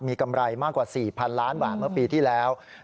มีกำไรมากกว่า๔๐๐๐ล้านบาทเมื่อปีที่แล้ว